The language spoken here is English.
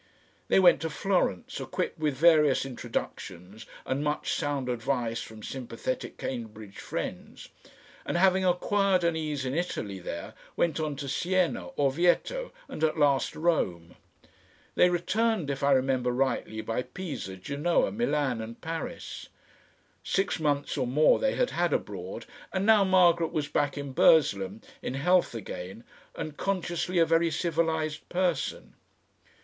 They went to Florence, equipped with various introductions and much sound advice from sympathetic Cambridge friends, and having acquired an ease in Italy there, went on to Siena, Orvieto, and at last Rome. They returned, if I remember rightly, by Pisa, Genoa, Milan and Paris. Six months or more they had had abroad, and now Margaret was back in Burslem, in health again and consciously a very civilised person.